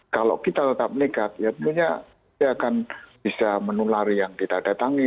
kalau kita tetap nekat ya tentunya dia akan bisa menulari yang kita datangi